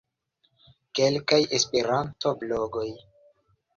Kelkaj Esperanto-blogoj.